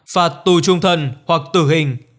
phạt tù trung thân hoặc tử hình